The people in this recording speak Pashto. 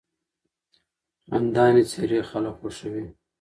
خندانې څېرې خلک خوښوي.